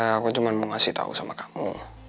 aku cuma mau kasih tau sama kamu